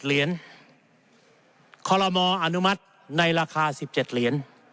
เหรียญคลมออนุมัติในราคาสิบเจ็ดเหรียญ